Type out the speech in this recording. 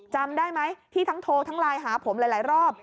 จำได้ไหมที่ทั้งโทรทั้งไลน์หาผมหลายรอบ